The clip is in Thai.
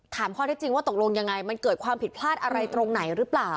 ข้อที่จริงว่าตกลงยังไงมันเกิดความผิดพลาดอะไรตรงไหนหรือเปล่า